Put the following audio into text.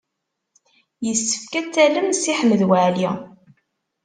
Yessefk ad tallem Si Ḥmed Waɛli.